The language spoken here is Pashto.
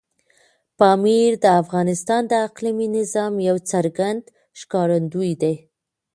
پامیر د افغانستان د اقلیمي نظام یو څرګند ښکارندوی دی.